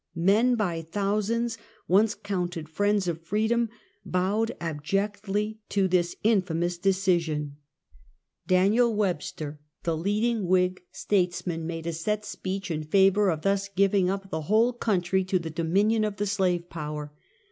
Men by thousands, once counted friends of freedom, bowed abjectly to this infamous decision. Daniel Webster, the leading Whig statesman, made YisiT Washington. 125 a set speech in favor of thus giving up the whole country to the dominion of the slave power.